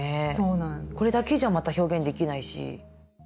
これだけじゃまた表現できないし。